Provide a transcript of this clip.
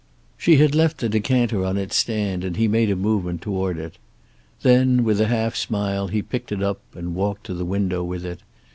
She had left the decanter on its stand, and he made a movement toward it. Then, with a half smile, he picked it up and walked to the window with it.